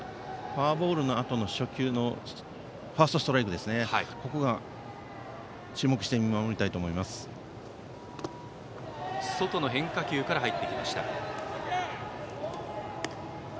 フォアボールのあとの初球のファーストストライク外の変化球から入ってきました。